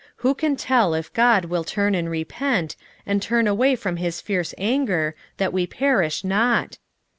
3:9 Who can tell if God will turn and repent, and turn away from his fierce anger, that we perish not?